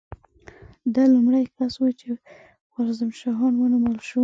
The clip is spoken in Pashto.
ده لومړی کس و چې خوارزم شاه ونومول شو.